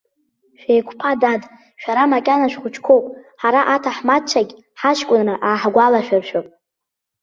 Шәеиқәԥа, дад, шәара макьана шәхәыҷқәоуп, ҳара аҭаҳмадцәагь ҳаҷкәынра ааҳгәалашәыршәап.